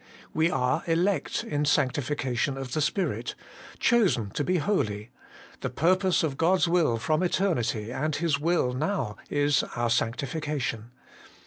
We are 'elect in sancfcification of the Spirit,' 'chosen to be holy;' the purpose of God's will from eternity, and His will now, is our sanctification.